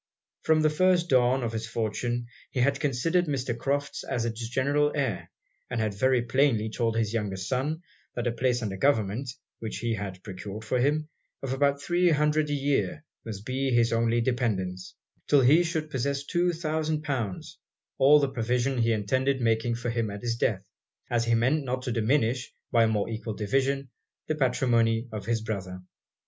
From the first dawn of his fortune, he had considered Mr. Crofts as it's general heir; and had very plainly told his younger son, that a place under government, which he had procured for him, of about three hundred a year, must be his only dependance; till he should possess two thousand pounds, all the provision he intended making for him at his death as he meant not to diminish, by a more equal division, the patrimony of his brother.